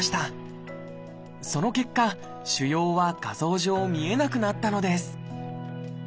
その結果腫瘍は画像上見えなくなったのです。